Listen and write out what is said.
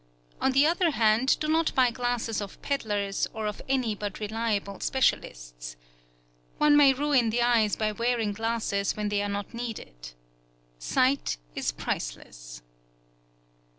On the other hand, do not buy glasses of peddlers or of any but reliable specialists. One may ruin the eyes by wearing glasses when they are not needed. Sight is priceless.